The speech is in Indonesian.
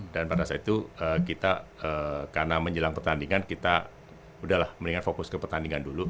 dan pada saat itu kita karena menjelang pertandingan kita udah lah mendingan fokus ke pertandingan dulu